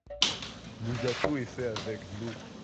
Le gâteau est fait avec de l'eau.